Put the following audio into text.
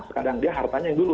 sekarang dia hartanya yang dulu